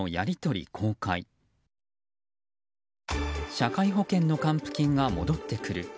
社会保険の還付金が戻ってくる。